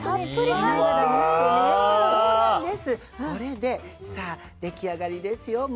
これで出来上がりですよ。